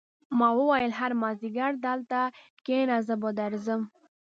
ما وویل هر مازدیګر دلته کېنه زه به درځم